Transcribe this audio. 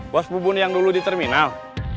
bos bubun yang dulu di terminal